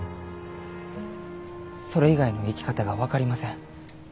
それ以外の生き方が分かりません。